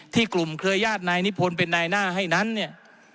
กลุ่มเครือญาตินายนิพนธ์เป็นนายหน้าให้นั้นเนี่ย